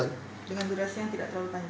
dengan durasi yang tidak terlalu panjang